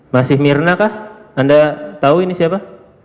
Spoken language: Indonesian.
masih mirna kah anda tahu ini siapa